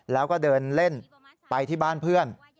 แล้วก็เดินเล่นไปที่บ้านเพื่อน